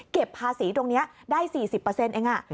ภาษีตรงนี้ได้๔๐เอง